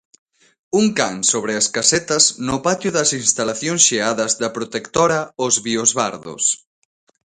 Un can sobre as casetas no patio das instalacións xeadas da protectora Os Biosbardos.